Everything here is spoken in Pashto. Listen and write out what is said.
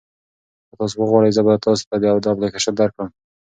که تاسي وغواړئ زه به تاسي ته دا اپلیکیشن درکړم.